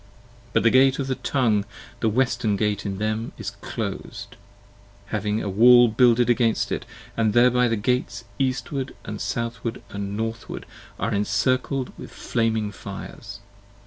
But the gate of the tongue, the western gate in them is clos'd, Having a wall builded against it : and thereby the gates Eastward & Southward & Northward, are incircled with flaming fires.